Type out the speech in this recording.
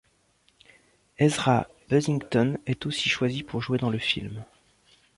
Ezra Buzzington est aussi choisi pour jouer dans le film.